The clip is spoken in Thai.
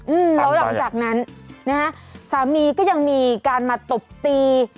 อืมแล้วหลังจากนั้นนะฮะสามีก็ยังมีการมาตบตี